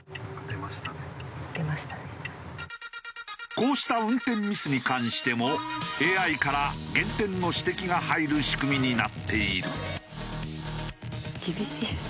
こうした運転ミスに関してもＡＩから減点の指摘が入る仕組みになっている。